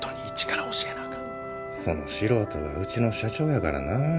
その素人がうちの社長やからな。